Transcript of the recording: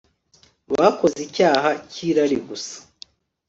bakoze icyaha cy'irari gusa